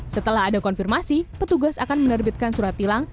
setelah ada konfirmasi petugas akan menerbitkan surat tilang